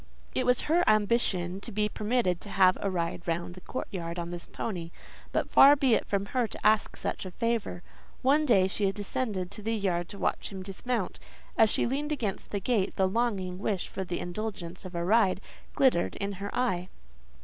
It was her ambition to be permitted to have a ride round the courtyard on this pony; but far be it from her to ask such a favour. One day she descended to the yard to watch him dismount; as she leaned against the gate, the longing wish for the indulgence of a ride glittered in her eye.